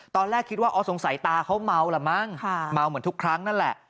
ตอนแรกคิดว่าอ๋อสงสัยตาเขาเมาล่ะมั้งเมาเหมือนทุกครั้งนั่นแหละ